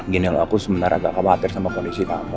gini loh aku sebenarnya agak khawatir sama kondisi kamu